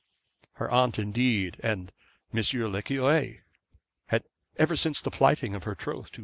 Her aunt, indeed, and M. le Cure had, ever since the plighting of her troth to M.